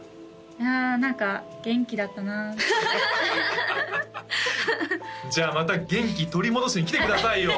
いや何か元気だったなじゃあまた元気取り戻しに来てくださいよ！